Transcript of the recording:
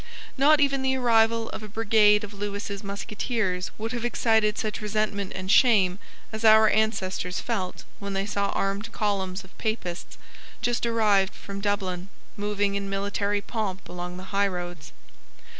Not even the arrival of a brigade of Lewis's musketeers would have excited such resentment and shame as our ancestors felt when they saw armed columns of Papists, just arrived from Dublin, moving in military pomp along the high roads.